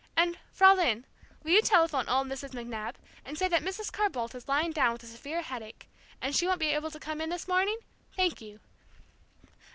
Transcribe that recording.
And, Fraulein, will you telephone old Mrs. McNab, and say that Mrs. Carr Boldt is lying down with a severe headache, and she won't be able to come in this morning? Thank you.